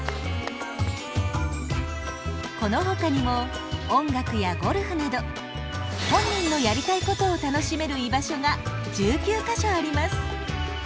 このほかにも音楽やゴルフなど本人のやりたいことを楽しめる居場所が１９か所あります。